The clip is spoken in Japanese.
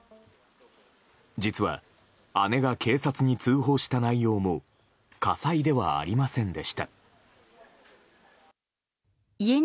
実は、姉が警察に通報した内容も火災ではありませんでした。